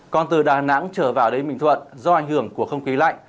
còn từ đà nẵng trở vào đến bình thuận do ảnh hưởng của không khí lạnh